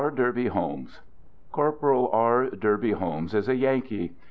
DERBY HOLMES Corporal R. Derby Holmes is a Yankee.